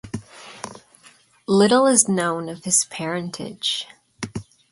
Little is known of his parentage.